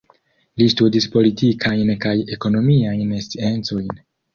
Li studis Politikajn kaj Ekonomiajn Sciencojn.